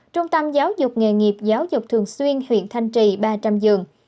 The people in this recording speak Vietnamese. trung tâm giáo dục nghề nghiệp giáo dục thường xuyên huyện thanh trì ba trăm linh giường